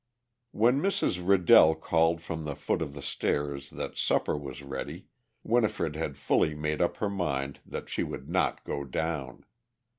When Mrs. Riddell called from the foot of the stairs that supper was ready Winifred had fully made up her mind that she would not go down.